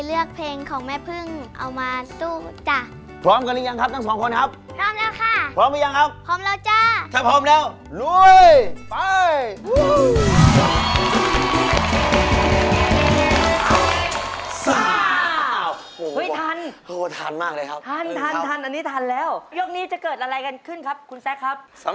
และหนูจะเต้นได้สะบัดเหมือนพี่จ๊ะแน่นอนค่ะ